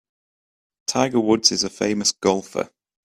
Tiger Woods is a famous golfer.